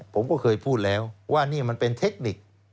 ผมก็เคยพูดแล้วว่านี่มันเป็นเทคนิค